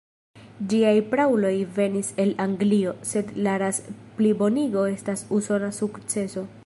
Ĝiaj prauloj venis el Anglio, sed la ras-plibonigo estas usona sukceso.